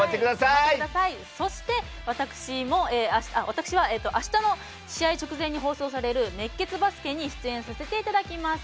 そして、私はあしたの試合直前に放送される「熱血バスケ」に出演させていただきます。